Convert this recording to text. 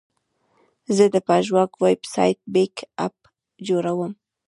زه د پژواک ویب سایټ بیک اپ جوړوم.